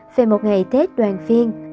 về một ngày tết đoàn viên